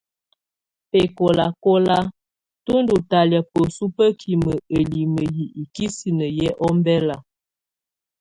Bɛ̀kɔ̀làkɔ̀la, tù ndú ɲtalɛ̀á bǝsu bǝkimǝ ǝlimǝ yɛ ikisinǝ yɛ́ ɔmbɛla.